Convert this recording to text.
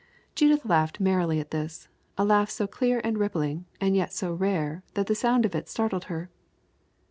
Judith laughed merrily at this a laugh so clear and rippling, and yet so rare, that the sound of it startled her.